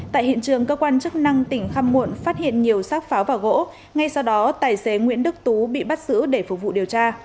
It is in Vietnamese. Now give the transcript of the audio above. tại hiện trường cơ quan chức năng tỉnh khăm muộn phát hiện nhiều xác pháo và gỗ ngay sau đó tài xế nguyễn đức tú bị bắt giữ để phục vụ điều tra